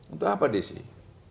itu apa sih